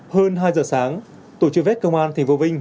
hơn hai giờ sáng tổ chức vết công an thành phố vinh